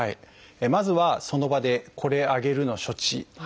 まずはその場で「これあげる」の処置。